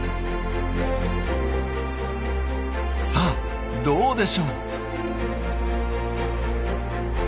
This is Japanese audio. さあどうでしょう？